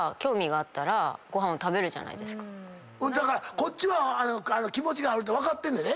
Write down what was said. だからこっちは気持ちがあるって分かってんねんで。